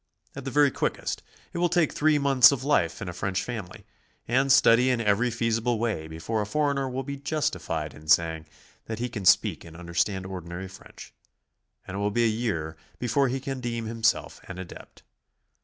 At the very quickest, it will take three months of life in a French family, and study in every feasible way before a foreigner will be justified in saying that he can speak and understand ordinary French, and it will be a year before he can deem himself an adept.